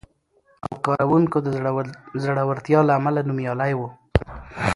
او کارونکو د زړورتیا له امله نومیالی و،